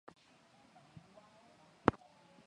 zea jinsi nchi ya indonesia ilivyo na soto kubwa